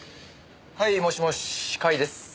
はいもしもし甲斐です。